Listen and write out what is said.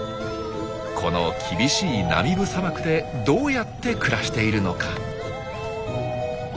この厳しいナミブ砂漠でどうやって暮らしているのか？